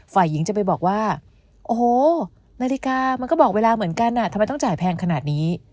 ฝ่ายหญิงจะไปบอกว่าโอ้โหนาฬิกามันก็บอกเวลาเหมือนกันทำไมต้องจ่ายแพงขนาดนี้